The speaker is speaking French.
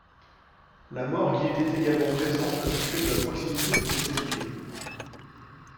La morgue y était également présente du fait de la proximité de l'Hôtel-Dieu.